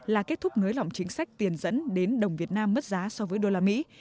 là kết thúc nới lỏng chính sách tiền dẫn đến đồng việt nam mất giá so với đô la mỹ